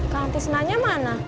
kak lanti senangnya mana